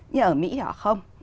nhưng ở mỹ thì họ không